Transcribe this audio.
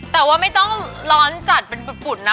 แต่ว่าไม่ต้องร้อนจัดเป็นปุ่นนะ